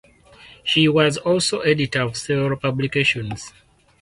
She was also editor of several publications.